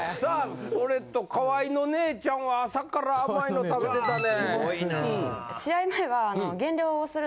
それと川井の姉ちゃんは朝から甘いの食べてたね。